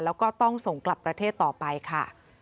แล้วก็ต้องส่งกลับประเทศต่อไปค่ะ